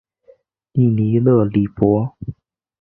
利尼勒里博。